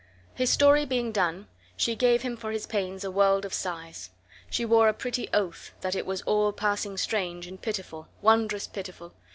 His story being done, she gave him for his pains a world of sighs. She swore a pretty oath that it was all passing strange, and pitiful, wondrous pitiful.